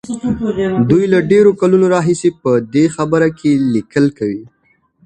دوی له ډېرو کلونو راهيسې په دې برخه کې ليکل کوي.